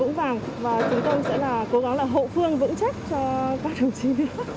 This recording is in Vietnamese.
vũng vàng và chúng tôi sẽ là cố gắng là hậu phương vững chắc cho các đồng chí